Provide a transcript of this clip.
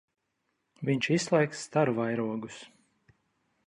Viņš izslēgs staru vairogus.